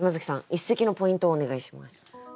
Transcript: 一席のポイントをお願いします。